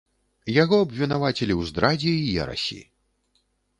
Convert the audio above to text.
Яго абвінавацілі ў здрадзе і ерасі.